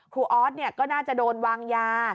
ครูออสเนี่ยก็น่าจะโดนวางยา